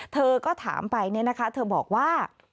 เธอก็ถามไปเนี่ยนะคะเธอบอกว่า